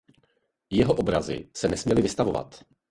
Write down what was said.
Jeho obrazy se nesměly vystavovat.